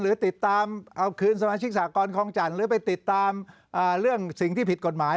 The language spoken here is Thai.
หรือติดตามเอาคืนสมาชิกสากรคลองจันทร์หรือไปติดตามเรื่องสิ่งที่ผิดกฎหมาย